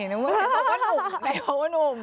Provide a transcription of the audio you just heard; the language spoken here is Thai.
น้องมิ้นบอกว่านุ่ม